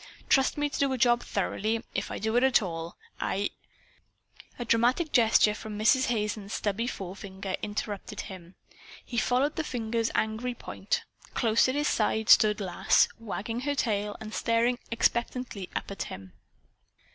Trust me to do a job thoroughly, if I do it at all. I " A dramatic gesture from Mrs. Hazen's stubby forefinger interrupted him. He followed the finger's angry point. Close at his side stood Lass, wagging her tail and staring expectantly up at him.